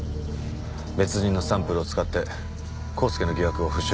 別人のサンプルを使って光輔の疑惑を払拭しました。